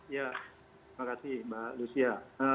ya terima kasih mbak lucia